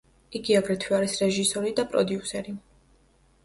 იგი აგრეთვე არის რეჟისორი და პროდიუსერი.